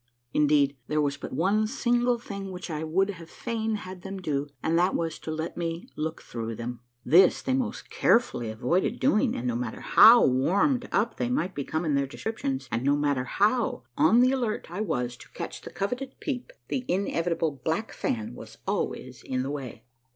Indeed, there was but one single thing which I would have fain had them do, and that was to let me look through them. This they most carefully avoided doing ; and no matter how warmed up they might become in their descriptions, and no matter how on the alert I was to catch the coveted peep, the inevitable black fan was always in the way.